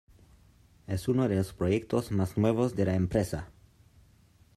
Es uno de los proyectos más nuevos de la empresa.